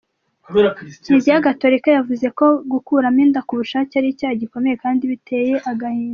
Kiliziya Gatolika yavuze ko gukuramo inda ku bushake ari icyaha gikomeye kandi biteye agahinda